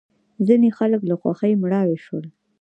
ځینې خلک له خوښۍ مړاوې شول.